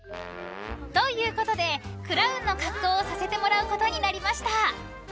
［ということでクラウンの格好をさせてもらうことになりました］